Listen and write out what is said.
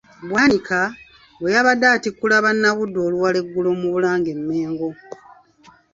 Bwanika, bwe yabadde atikkula Bannabuddu oluwalo eggulo mu Bulange e Mmengo.